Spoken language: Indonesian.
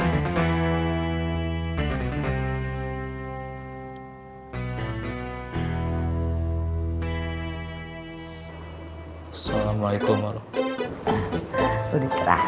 assalamualaikum warahmatullahi wabarakatuh